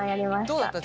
どうだった？